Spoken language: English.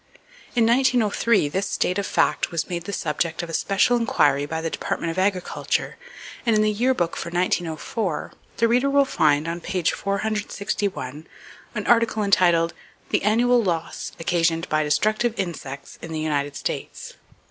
In 1903, this state of fact was made the subject of a special inquiry by the Department of Agriculture, and in the "Yearbook" for 1904, the reader will find, on page 461, an article entitled, "The Annual Loss Occasioned by Destructive Insects in the United States."